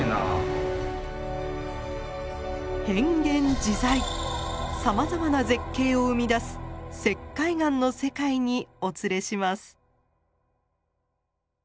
変幻自在さまざまな絶景を生み出す石灰岩の世界にお連れします。